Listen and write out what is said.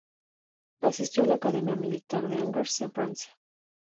Asistió a la academia militar de Angers, en Francia.